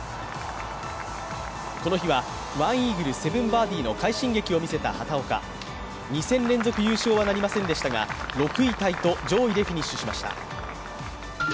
この日は１イーグル７バーディーの快進撃を見せた畑岡２戦連続優勝はなりませんでしたが６位タイと上位でフィニッシュしました。